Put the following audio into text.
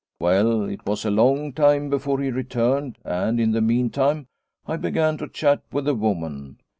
Well, it was a long time before he returned and in the meantime I began to chat with the woman.